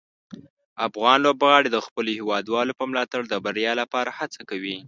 افغان لوبغاړي د خپلو هیوادوالو په ملاتړ د بریا لپاره هڅه کوي.